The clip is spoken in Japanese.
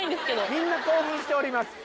みんな興奮しております。